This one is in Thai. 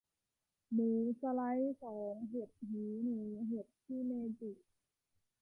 หมูสไลด์สอง เห็ดหูหนู เห็ดชิเมจิ